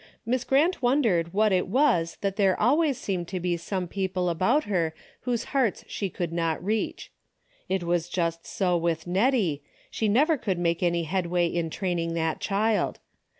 Miss Grant wondered what it was that there always seemed to be some people about her whose hearts she could not reach. It was just so with Hettie, she never could make any headway in training that child.